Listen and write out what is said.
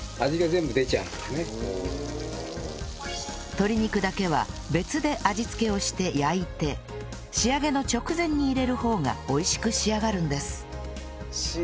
鶏肉だけは別で味付けをして焼いて仕上げの直前に入れる方が美味しく仕上がるんです